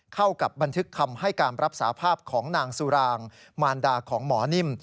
เข้ากับบันทึกคำให้การรับสาภาพของนางสุรางมารดาของหมอนิ่ม